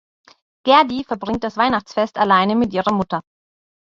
Gerdi verbringt das Weihnachtsfest alleine mit ihrer Mutter.